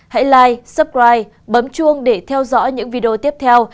hãy like subscribe bấm chuông để theo dõi những video tiếp theo